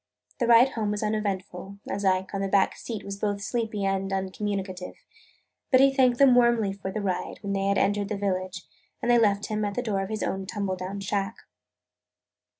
The ride home was uneventful, as Ike, on the back seat, was both sleepy and uncommunicative. But he thanked them warmly for the ride when they had entered the village, and they left him at the door of his own tumble down shack.